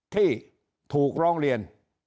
ที่ถูกร้องเรียน